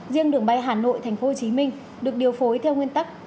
riêng đường bay hà nội tp hcm được điều phối theo nguyên tắc